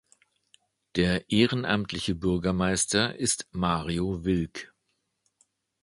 Der ehrenamtliche Bürgermeister ist Mario Wilk.